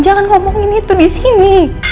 jangan ngomongin itu di sini